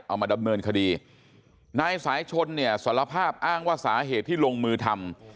เอามาดำเนินคดีนายสายชนเนี่ยสารภาพอ้างว่าสาเหตุที่ลงมือทำ